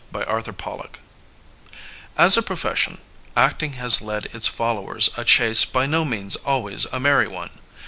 * S a profession, acting has led its follow ers a chase by no means always a merry one.